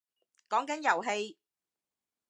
講緊遊戲